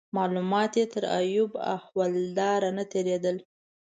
معلومات یې تر ایوب احوالدار نه تیرېدل.